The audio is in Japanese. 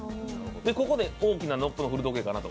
ここで「大きなのっぽの古時計」かなと。